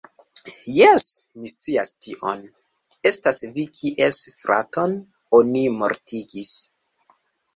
Jes, mi scias tion. Estas vi kies fraton oni mortigis